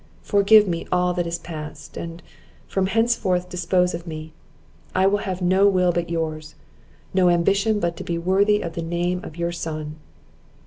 Forgive me all that is past, and from henceforward dispose of me; I will have no will but yours, no ambition but to be worthy of the name of your son."